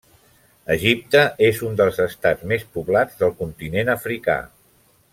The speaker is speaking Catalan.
Egipte és un dels Estats més poblats del continent africà.